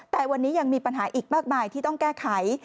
แต่วันนี้ยังมีปัญหาอีกมากมายที่ต้องแก้ไข